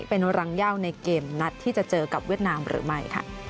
เป็นรังเย่าในเกมนัดที่จะเจอกับเวียดนามหรือไม่